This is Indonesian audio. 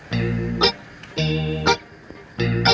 jangan di sini